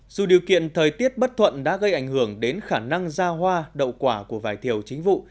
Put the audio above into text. dù điều kiện thời tiết bất thuận đã gây ảnh hưởng đến khả năng ra hoa đậu quả của vải thiều chính vụ